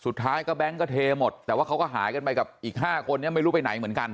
สุดท้ายก็แบงค์ก็เทหมดแต่ว่าเขาก็หายกันไปกับอีก๕คนนี้ไม่รู้ไปไหนเหมือนกัน